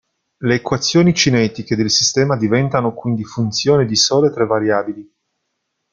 Le equazioni cinetiche del sistema diventano quindi funzione di sole tre variabili.